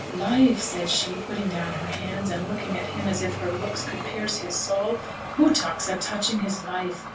'Life,' said she, putting down her hands, and looking at him as if her looks could pierce his soul; 'who talks o' touching his life?